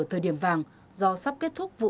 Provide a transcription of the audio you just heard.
thời điểm vàng do sắp kết thúc vụ